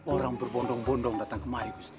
orang berbondong bondong datang kemari